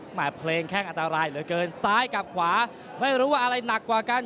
เพลงแข้งอันตรายเหลือเกินซ้ายกับขวาไม่รู้ว่าอะไรหนักกว่ากัน